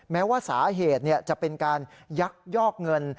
แม้ว่าสาเหตุจะเป็นการยักยอกเงิน